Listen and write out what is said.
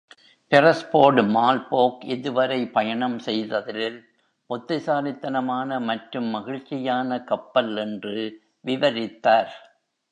Beresford "மார்ல்போர்க்" இதுவரை பயணம் செய்ததில் புத்திசாலித்தனமான மற்றும் மகிழ்ச்சியான கப்பல்" என்று விவரித்தார்.